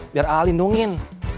biar aa lindungin